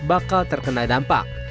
bakal terkena dampak